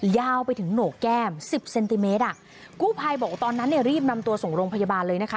ยาวไปถึงโหนกแก้มสิบเซนติเมตรอ่ะกู้ภัยบอกว่าตอนนั้นเนี่ยรีบนำตัวส่งโรงพยาบาลเลยนะคะ